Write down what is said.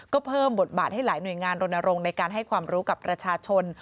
ก็เพิ่มบทบาทให้หลายหน่วยงานรณรงค์ในการให้ความรู้กับประชาชน